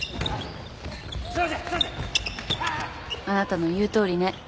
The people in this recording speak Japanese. あなたの言うとおりね。